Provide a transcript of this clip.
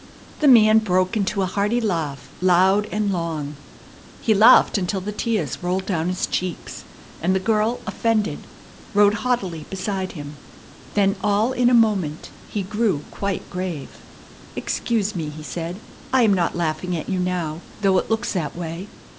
The man broke into a hearty laugh, loud and long. He laughed until the tears rolled down his cheeks; and the girl, offended, rode haughtily beside him. Then all in a moment he grew quite grave. "Excuse me," he said; "I am not laughing at you now, though it looks that way.